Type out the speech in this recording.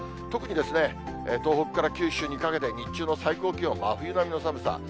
特にですね、東北から九州にかけて、日中の最高気温、真冬並みの寒さ。